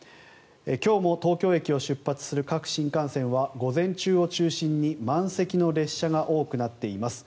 今日も東京駅を出発する各新幹線は午前中を中心に満席の列車が多くなっています。